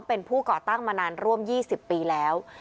เป็นผู้ก่อตั้งมานานร่วม๒๐ปีแล้ว